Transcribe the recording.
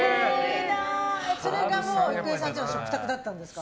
それが郁恵さんちの食卓だったんですか。